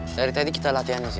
dari tadi kita latihannya